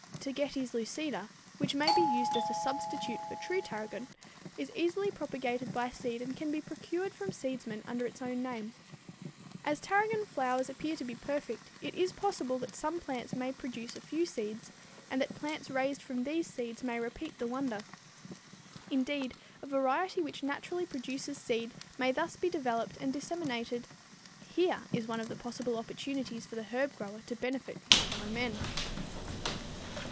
Tagetes lucida, which may be used as a substitute for true tarragon, is easily propagated by seed and can be procured from seedsmen under its own name. As tarragon flowers appear to be perfect, it is possible that some plants may produce a few seeds, and that plants raised from these seeds may repeat the wonder. Indeed, a variety which naturally produces seed may thus be developed and disseminated. Here is one of the possible opportunities for the herb grower to benefit his fellow men.